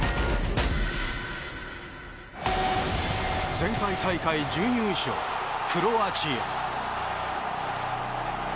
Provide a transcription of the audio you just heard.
前回大会準優勝、クロアチア。